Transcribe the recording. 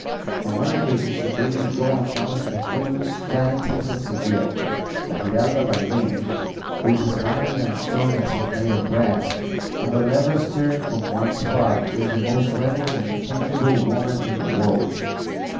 On one occasion she bade me go and challenge the famous giantess of Seville, La Giralda by name, who is as mighty and strong as if made of brass, and though never stirring from one spot, is the most restless and changeable woman in the world.